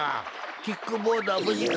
キックボードはぶじか？